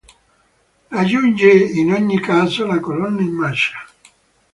Raggiunge in ogni caso la colonna in marcia.